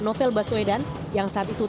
novel baswedan yang saat itu